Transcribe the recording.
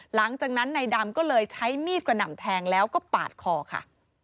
หลังจากนั้นนายดำก็เลยใช้มีดกระหน่ำแทงแล้วก็ปาดคอค่ะ